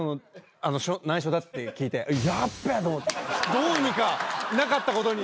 どうにかなかったことに。